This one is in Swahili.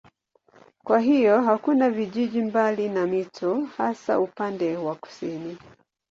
Kwa hiyo hakuna vijiji mbali na mito hasa upande wa kusini.